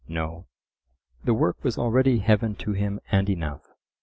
No; the work was already heaven to him and enough.